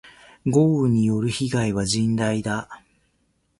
豪雨による被害は甚大だ。